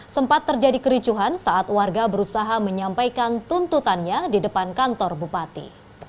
sempat terjadi kericuhan saat warga berusaha menyampaikan tuntutannya di depan kantor bupati